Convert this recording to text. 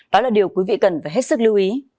đó là điều quý vị cần phải hết sức lưu ý